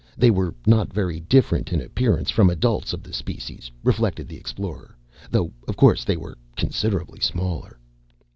They were not very different in appearance from adults of the species, reflected the Explorer, though, of course, they were considerably smaller.